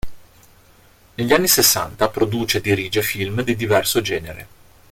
Negli anni sessanta produce e dirige film di diverso genere.